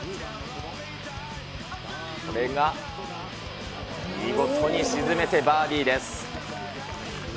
これが見事に沈めてバーディーです。